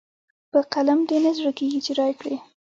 قلم دې نه زړه کېږي چې رايې کړئ.